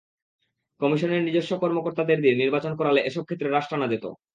কমিশনের নিজস্ব কর্মকর্তাদের দিয়ে নির্বাচন করালে এসব ক্ষেত্রে রাশ টানা যেত।